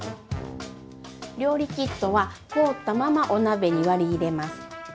料理キットは凍ったままお鍋に割り入れます。